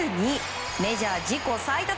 メジャー自己最多